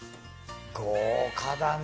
豪華だね